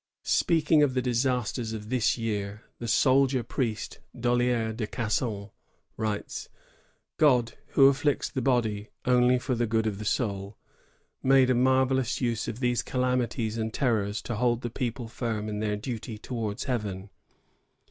"^ Speaking of the disasters of this year, the soldier priest, Dollier de Gasson, writes :^ God, who afflicts the body only for the good of the soul, made a mar vellous use of these calamities and terrors to hold the people firm in their duty towards Heaven.